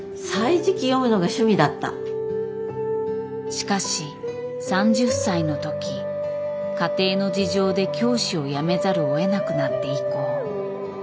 しかし３０歳のとき家庭の事情で教師を辞めざるをえなくなって以降。